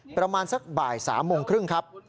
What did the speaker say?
ประมาณสักบ่าย๓โมงครึ่งครับ